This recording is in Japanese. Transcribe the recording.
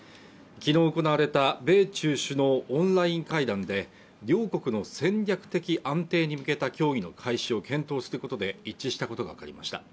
昨日行われた米中首脳のオンライン会談で両国の戦略的安定に向けた協議の開始を検討することで一致したことがわかりました。